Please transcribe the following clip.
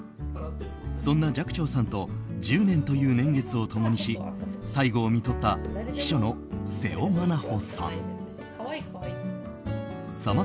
そんな寂聴さんと１０年という年月を共にし最期をみとった秘書の瀬尾まなほさん。